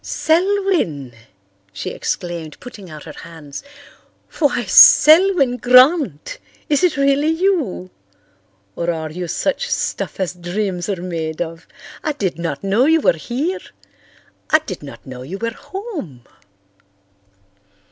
"Selwyn!" she exclaimed, putting out her hands. "Why, Selwyn Grant! Is it really you? Or are you such stuff as dreams are made of? I did not know you were here. I did not know you were home."